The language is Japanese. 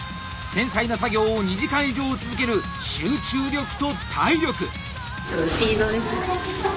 繊細な作業を２時間以上続ける集中力と体力！